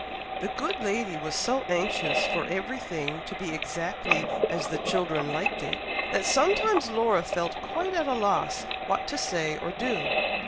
The good lady was so anxious for everything to be exactly as the children liked it, that sometimes Laura felt quite at a loss what to say or do.